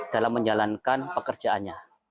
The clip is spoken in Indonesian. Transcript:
dalam menjalankan pekerjaannya